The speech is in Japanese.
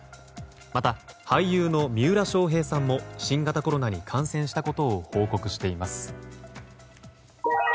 また、俳優の三浦翔平さんも新型コロナに感染したことを報告しています。